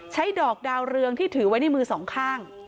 ดอกดาวเรืองที่ถือไว้ในมือสองข้าง